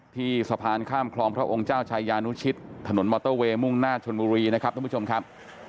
ที่สะพานข้ามคลองพระองค์เจ้าชายานุชิตถนนมอเตอร์เวย์มุ่งหน้าชนบุรีนะครับท่านผู้ชมครับ